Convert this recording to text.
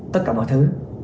tất cả mọi thứ